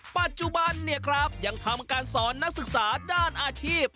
ปัจจุบันเนี่ยครับยังทำการสอนนักศึกษาด้านอาชีพ